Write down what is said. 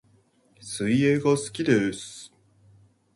水泳が好きです